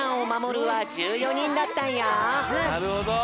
なるほど。